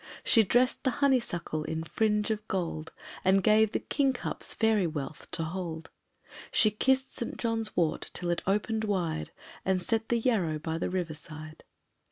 She dressed the honeysuckle in fringe of gold, She gave the king cups fairy wealth to hold, She kissed St. John's wort till it opened wide, She set the yarrow by the river side.